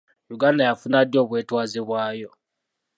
Uganda yafuna ddi obwetwaze bwayo?